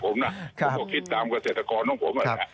ผมก็คิดตามเกษตรกรน้องผมนั่นแหละ